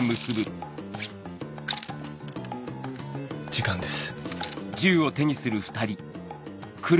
時間です。